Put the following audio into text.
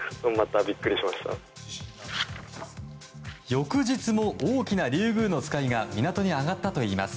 翌日も大きなリュウグウノツカイが港に揚がったといいます。